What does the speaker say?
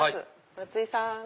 松井さん。